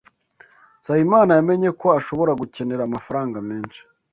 Nsabimana yamenye ko ashobora gukenera amafaranga menshi.